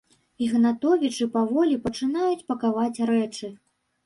Ігнатовічы паволі пачынаюць пакаваць рэчы.